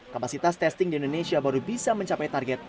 kapasitas testing di indonesia baru bisa mencapai target